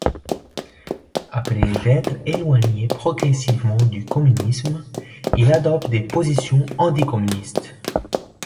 Après d'être éloigné progressivement du communisme, il adopte des positions anticommunistes.